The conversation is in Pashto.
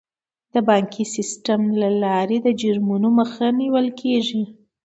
د بانکي سیستم له لارې د جرمونو مخه نیول کیږي.